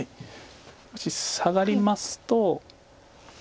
もしサガりますと。